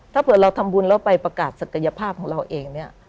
ถ้าเผื่อเราทำบุญแล้วไปประกาศศักยภาพของเราเองเนี่ย